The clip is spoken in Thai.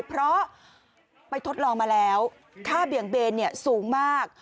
เพราะไปทดลองมาแล้วค่าเบี่ยงเบนสูงมาก